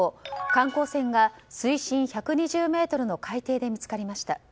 観光船が水深１２０ｍの海底で見つかりました。